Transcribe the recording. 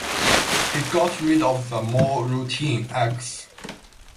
He got rid of the more routine acts.